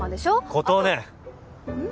琴音うん？